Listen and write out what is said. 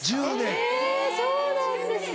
そうなんですね。